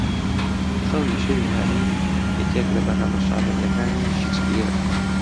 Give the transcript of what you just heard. خەونی شەوی هاوین یەکێک لە بەرهەمە شانۆییەکانی شکسپیرە